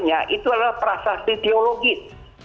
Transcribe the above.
yang pertama itu adalah prasasti teologis